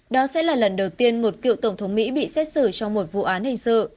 đó sẽ là lần đầu tiên một cựu tổng thống mỹ bị xét xử trong một vụ án hình sự